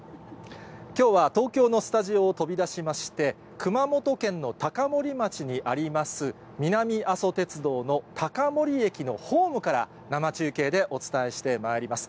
きょうは東京のスタジオを飛び出しまして、熊本県の高森町にあります、南阿蘇鉄道の高森駅のホームから、生中継でお伝えしてまいります。